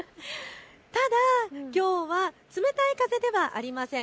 ただきょうは冷たい風ではありません。